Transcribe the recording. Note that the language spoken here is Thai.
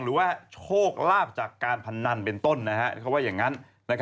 หรือว่าโชคลาภจากการพนันเป็นต้นเขาว่าอย่างนั้น